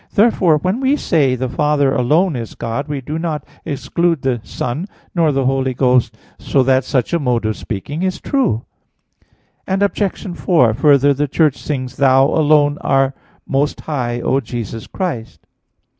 Therefore, when we say, The Father alone is God, we do not exclude the Son, nor the Holy Ghost; so that such a mode of speaking is true. Obj. 4: Further, the Church sings: "Thou alone art Most High, O Jesus Christ."